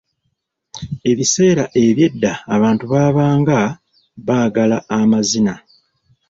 Ebiseera eby’edda abantu baabanga baagala amazina.